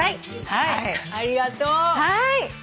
はい。